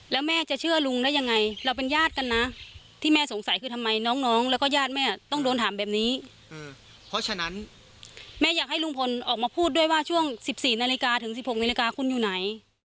แล้วแม่จะเชื่อลุงได้ยังไงเราเป็นญาติกันนะที่แม่สงสัยคือทำไมน้องแล้วก็ญาติแม่ต้องโดนถามแบบนี้เพราะฉะนั้นแม่อยากให้ลุงพลออกมาพูดด้วยว่าช่วง๑๔นาฬิกาถึง๑๖นาฬิกาคุณอยู่ไหน